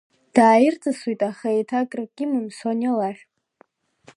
Дааирҵысуеит, аха еиҭакрак имам, Сониа лахь.